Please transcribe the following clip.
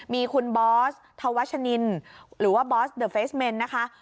มีคุณบอสธวัชนินหรือว่าบอสเดอร์เฟสเมนนะคะ